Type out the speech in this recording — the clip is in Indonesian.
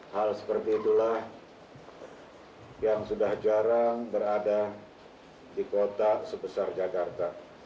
hal seperti itulah yang sudah jarang berada di kota sebesar jakarta